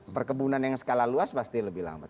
perkebunan yang skala luas pasti lebih lambat